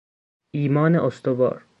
ایمان استوار